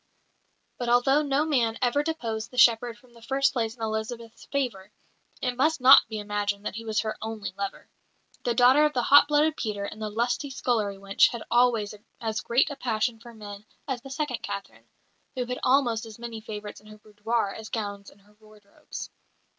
But although no man ever deposed the shepherd from the first place in Elizabeth's favour, it must not be imagined that he was her only lover. The daughter of the hot blooded Peter and the lusty scullery wench had always as great a passion for men as the second Catherine, who had almost as many favourites in her boudoir as gowns in her wardrobes.